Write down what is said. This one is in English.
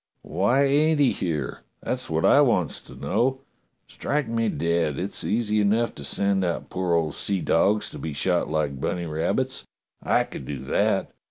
"Why, ain't he here.'^ That's wot I wants to know. Strike me dead! it's easy enough to send out poor old seadogs to be shot like bunny rabbits. I could do that.